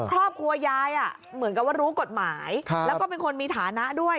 ครอบครัวยายเหมือนกับว่ารู้กฎหมายแล้วก็เป็นคนมีฐานะด้วย